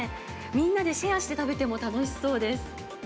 みんなでシェアして食べても楽しそうです。